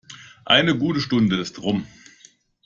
Eine gute Stunde ist rum.